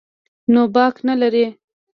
نو باک نه لري.